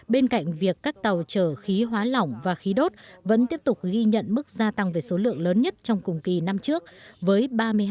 bên cạnh việc các tàu chở khí hóa lỏng và khí đốt vẫn tiếp tục ghi nhận mức gia tăng về số lượng lớn nhất trong cùng kỳ năm trước với ba mươi hai